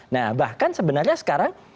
nah bahkan sebenarnya sekarang